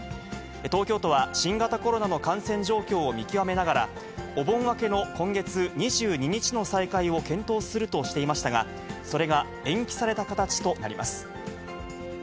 東京都は新型コロナの感染状況を見極めながら、お盆明けの今月２２日の再開を検討するとしていましたが、それが延期された形となります。